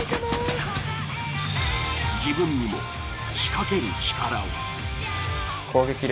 自分にも仕掛けるチカラを。